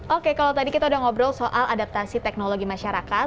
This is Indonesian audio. oke kalau tadi kita udah ngobrol soal adaptasi teknologi masyarakat